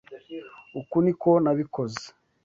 Uku niko nabikoze.